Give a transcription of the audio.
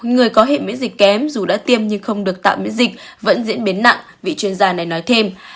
người có hệ miễn dịch kém dù đã tiêm nhưng không được tạm miễn dịch vẫn diễn biến nặng vị chuyên gia này nói thêm